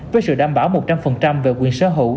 với sự đảm bảo một trăm linh về quyền sở hữu